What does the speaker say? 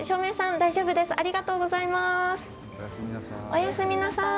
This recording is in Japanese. おやすみなさい。